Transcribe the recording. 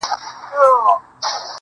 يوولس مياشتې يې پوره ماته ژړله~